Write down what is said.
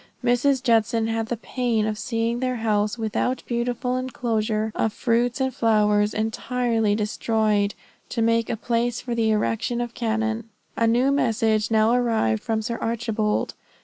Mrs. Judson had the pain of seeing their house without beautiful enclosure of fruits and flowers, entirely destroyed, to make a place for the erection of cannon. A new message now arrived from Sir Archibald.